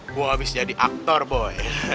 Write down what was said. ibu habis jadi aktor boy